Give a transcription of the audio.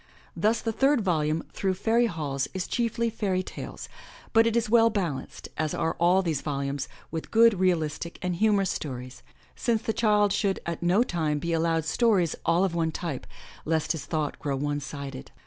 Thus the third volume. Through Fairy Halls, is chiefly fairy tales, but it is well balanced, as are all these volumes, with good, realistic and humorous stories, since the child should at no time be allowed stories all of one type, lest his thought grow one sided.